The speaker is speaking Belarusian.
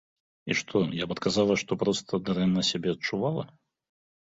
І што, я б адказала, што проста дрэнна сябе адчувала?